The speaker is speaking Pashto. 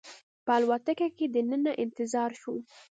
په الوتکه کې دننه انتظار شوم.